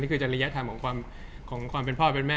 จริยธรรมของความเป็นพ่อเป็นแม่